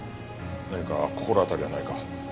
何か心当たりはないか？